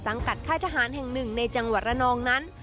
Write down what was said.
กับค่ายทหารแห่งหนึ่งในจังหวัดระนองนั้น